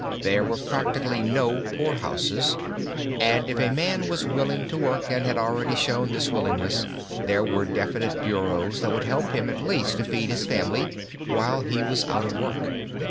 There were practically no poorhouses, and if a man was willing to work and had already shown this willingness, there were definite bureaus that would help him at least to feed his family while he was out of work.